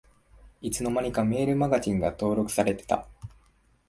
いつの間にかメールマガジンが登録されてた